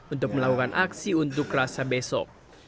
untuk melakukan aksi unjuk rasa besok